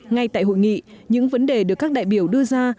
ngay tại hội nghị những vấn đề được các đại biểu đưa ra